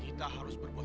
kita harus berpura pura